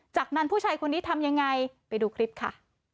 จากนั้นผู้ชายคนนี้ทำยังไงไปดูคลิปค่ะ